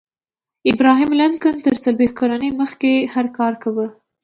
ابراهم لينکن تر څلوېښت کلنۍ مخکې هر کار کاوه.